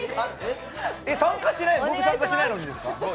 僕参加していないのにですか？